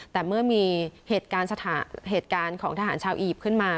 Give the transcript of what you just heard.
แต่เมื่อมีเหตุการณ์ของทหารชาวอียิปต์ขึ้นมา